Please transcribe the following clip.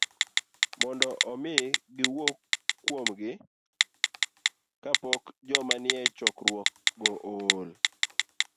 mondo omi giwuo kuomgi kapok joma nie chokruok go ool